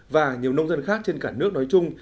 và nhiều nông dân khác trên cả nước nói chung